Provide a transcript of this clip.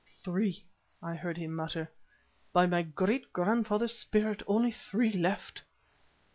"Three," I heard him mutter. "By my great grandfather's spirit! only three left."